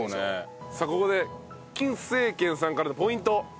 さあここで金精軒さんからのポイント。